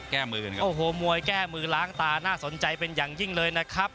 แก้มือกันครับโอ้โหมวยแก้มือล้างตาน่าสนใจเป็นอย่างยิ่งเลยนะครับ